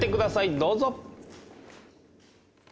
どうぞ。